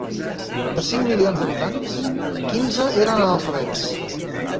De cinc milions d'habitants, quinze eren analfabets.